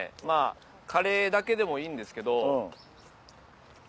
まあカレーだけでもいいんですけど。